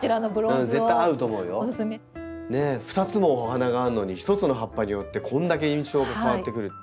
２つもお花があるのに１つの葉っぱによってこれだけ印象が変わってくる。